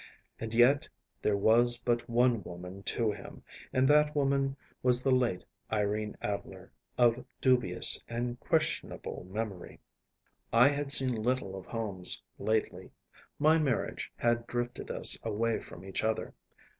And yet there was but one woman to him, and that woman was the late Irene Adler, of dubious and questionable memory. I had seen little of Holmes lately. My marriage had drifted us away from each other.